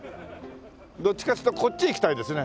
どっちかっつうとこっち行きたいですね。